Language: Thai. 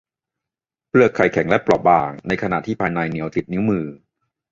เปลือกไข่แข็งและเปราะบาง ในขณะที่ภายในเหนียวติดนิ้วมือ